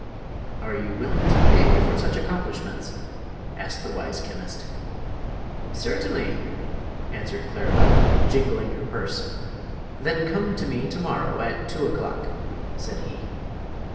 "Are you willing to pay for such accomplishments?" asked the wise chemist. "Certainly," answered Claribel, jingling her purse. "Then come to me to morrow at two o'clock," said he.